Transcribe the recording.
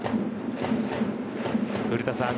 古田さん